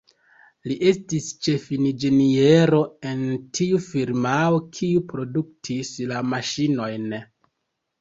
Li estis ĉefinĝeniero en tiu firmao, kiu produktis la maŝinojn.